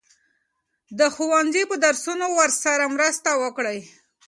د ښوونځي په درسونو کې ورسره مرسته وکړئ.